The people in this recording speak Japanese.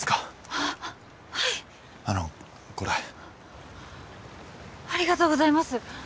あっはいあのこれありがとうございます